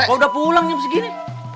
kenapa udah pulang nyampe gini